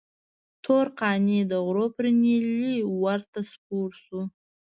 تور قانع د غرور پر نيلي ورته سپور شو.